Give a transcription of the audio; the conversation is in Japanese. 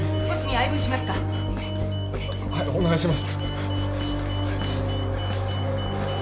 あッお願いします